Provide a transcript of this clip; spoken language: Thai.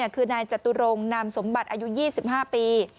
คือนายจตุรงนามสมบัติอายุ๒๕ปี